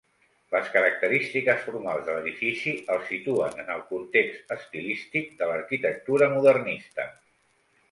Les característiques formals de l'edifici el situen en el context estilístic de l'arquitectura modernista.